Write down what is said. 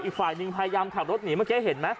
อีกฝ่ายหนึ่งพยายามขับรถหนีเมื่อกี้เห็นไหม